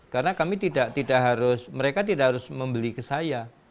karena kami tidak harus mereka tidak harus membeli ke saya